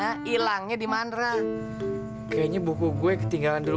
hilangnya di mandra kayaknya buku gue ketinggalan dulu